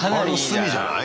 隅じゃない？